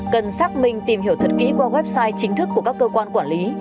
cần xác minh tìm hiểu thật kỹ qua website chính thức của các cơ quan quản lý